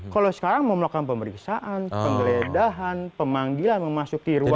kalau sekarang mau melakukan pemeriksaan penggeledahan pemanggilan memasuki ruangan